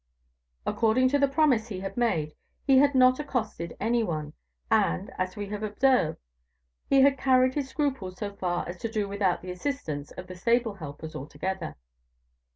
According to the promise he had made, he had not accosted any one; and, as we have observed, he had carried his scruples so far as to do without the assistance of the stable helpers altogether.